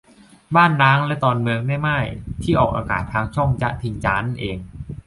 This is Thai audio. บ้านร้าง และตอน เมืองแม่ม่าย ที่ออกอากาศทางช่องจ๊ะทิงจานั่นเอง